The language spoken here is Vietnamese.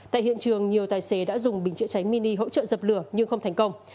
tại hiện trường nhiều tài xế đã dùng bình chữa cháy mini hỗ trợ dập lửa nhưng không thành công